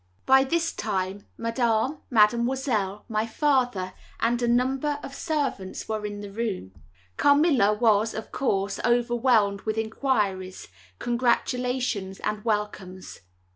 By this time, Madame, Mademoiselle, my father, and a number of the servants were in the room. Carmilla was, of course, overwhelmed with inquiries, congratulations, and welcomes.